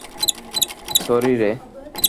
Sorry, রে।